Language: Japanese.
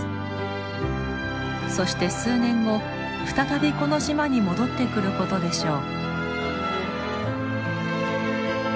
そして数年後再びこの島に戻ってくることでしょう。